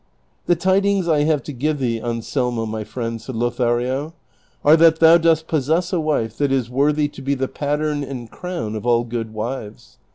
" The tidings I have to give thee, Anselmo my friend," said Lothario, "are that thou dost possess a wife that is worthy to be the pattern and crown of all good wives.